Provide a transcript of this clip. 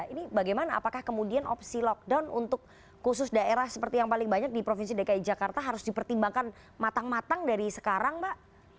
ini bagaimana apakah kemudian opsi lockdown untuk khusus daerah seperti yang paling banyak di provinsi dki jakarta harus dipertimbangkan matang matang dari sekarang pak